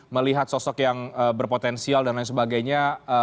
melihat sosok yang berpotensial dan lain sebagainya